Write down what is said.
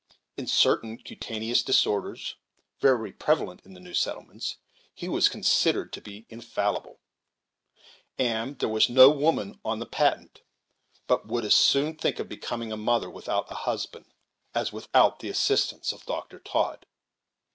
In certain cutaneous disorders very prevalent in new settlements, he was considered to be infallible; and there was no woman on the Patent but would as soon think of becoming a mother without a husband as without the assistance of Dr. Todd.